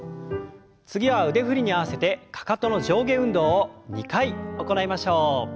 次は腕振りに合わせてかかとの上下運動を２回行いましょう。